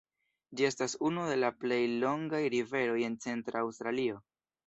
Ĝi estas unu de la plej longaj riveroj en Centra Aŭstralio.